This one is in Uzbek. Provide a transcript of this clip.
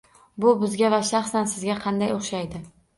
Bu bizga va shaxsan sizga qanday o'xshaydi?